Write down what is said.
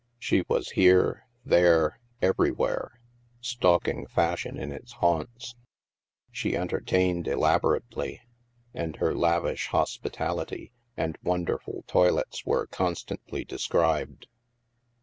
She was here, there, everywhere, stalking Fashion in its haunts. She entertained elaborately, and her lavish hospitality and wonderful toilets were constantly de scribed.